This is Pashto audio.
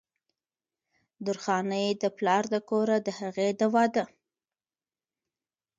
درخانۍ د پلار د کوره د هغې د وادۀ